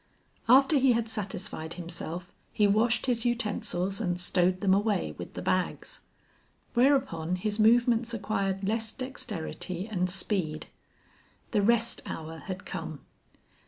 After he had satisfied himself he washed his utensils and stowed them away, with the bags. Whereupon his movements acquired less dexterity and speed. The rest hour had come.